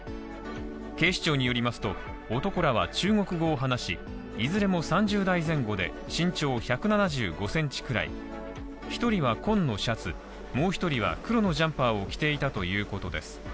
警視庁によりますと、男らは中国語を話し、いずれも３０代前後で身長１７５センチくらい、１人は紺のシャツもう１人は黒のジャンパーを着ていたということです